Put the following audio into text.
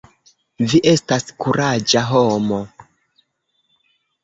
Vi estas kuraĝa homo.